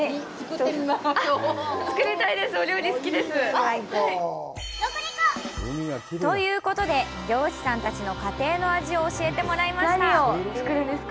あっ、作りたいです！ということで、漁師さんたちの家庭の味を教えてもらいました。